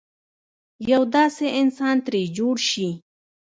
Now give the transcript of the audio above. یو داسې انسان ترې جوړ شي.